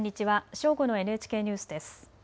正午のＮＨＫニュースです。